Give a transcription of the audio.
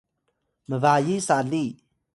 mbayi sali